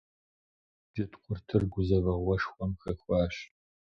Джэдкъуртыр гузэвэгъуэшхуэм хэхуащ.